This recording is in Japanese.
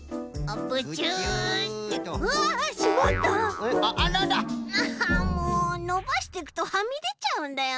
ああもうのばしていくとはみでちゃうんだよな。